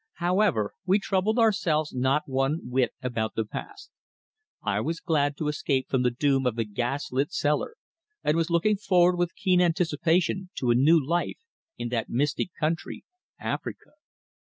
However, we troubled ourselves not one whit about the past. I was glad to escape from the doom of the gas lit cellar, and was looking forward with keen anticipation to a new life in that mystic country, Africa.